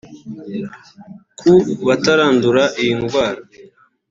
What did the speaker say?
Ku batarandura iyi ndwara